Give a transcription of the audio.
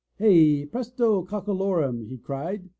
"Hey, presto, cockolorum!'' he cried.